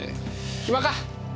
暇か？